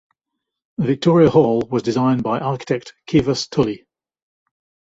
Victoria Hall was designed by architect Kivas Tully.